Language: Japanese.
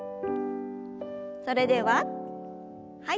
それでははい。